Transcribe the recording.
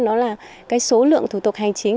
nó là cái số lượng thủ tục hành chính